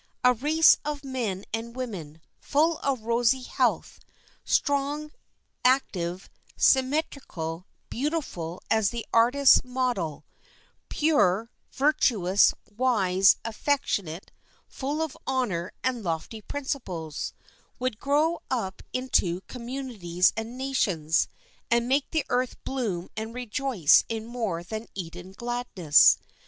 A race of men and women, full of rosy health, strong, active, symmetrical, beautiful as the artist's model: pure, virtuous, wise, affectionate, full of honor and lofty principles, would grow up into communities and nations, and make the earth bloom and rejoice in more than Eden gladness.